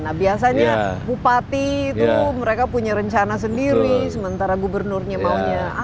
nah biasanya bupati itu mereka punya rencana sendiri sementara gubernurnya maunya apa